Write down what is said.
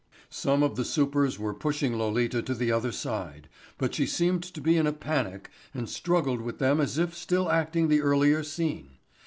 Some of the supers were pushing Lolita to the other side, but she seemed to be in a panic and struggled with them as if still acting the earlier scene.